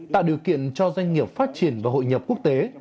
tạo điều kiện cho doanh nghiệp phát triển và hội nhập quốc tế